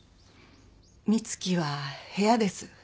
美月は部屋です。